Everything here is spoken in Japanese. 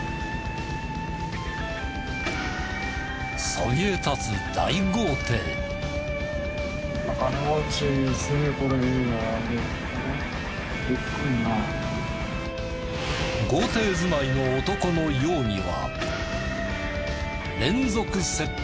そびえ立つ豪邸住まいの男の容疑は。